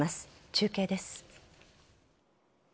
中継です。